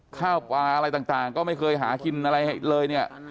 ข้าวปลาอะไรต่างก็ไม่เคยหากินอะไรเลยเนี่ย